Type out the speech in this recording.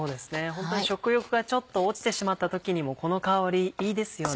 ホントに食欲がちょっと落ちてしまった時にもこの香りいいですよね。